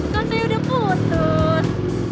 kan saya udah putus